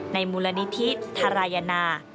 ในมูลณิธิธรรายณา